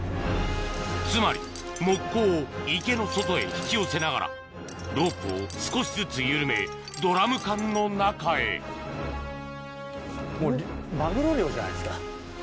つまりモッコを池の外へ引き寄せながらロープを少しずつ緩めドラム缶の中へもうマグロ漁じゃないですか。